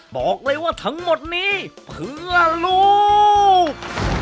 บอกเลยว่าทั้งหมดนี้เพื่อลูก